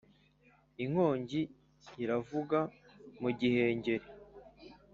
Inkongi iravuga mu gihengeri,